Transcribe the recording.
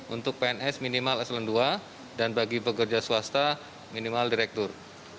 untuk pns minimal eselon ii dan bagi pekerja swasta minimal direktur